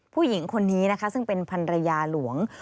ผู้หญิงคนนี้นะคะซึ่งเป็นพันรยาหลวง